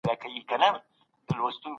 کُنت د ټولنپوهني نوم کيښود.